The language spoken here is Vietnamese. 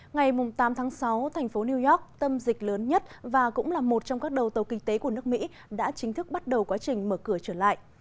ngày tám tháng sáu thành phố new york tâm dịch lớn nhất và cũng là một trong các đầu tàu kinh tế của nước mỹ đã chính thức bắt đầu quá trình mở cửa trở lại